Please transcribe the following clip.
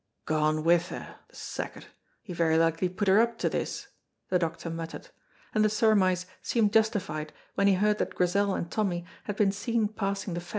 "Gone with her, the sacket; he very likely put her up to this," the doctor muttered, and the surmise seemed justified when he heard that Grizel and Tommy had been seen passing the Fens.